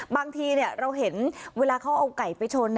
บางทีเราเห็นเวลาเขาเอาไก่ไปชน